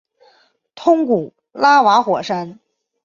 通古拉瓦火山。